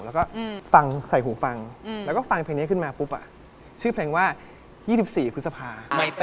แล้วก็ฟังใส่หูฟังแล้วก็ฟังเพลงนี้ขึ้นมาปุ๊บชื่อเพลงว่า๒๔พฤษภา